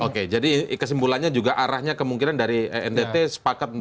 oke jadi kesimpulannya juga arahnya kemungkinan dari ndt sepakat untuk melakukan munaslob